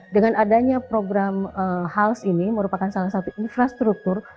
dengan adanya program hals ini merupakan salah satu infrastruktur